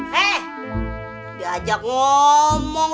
hei diajak ngomong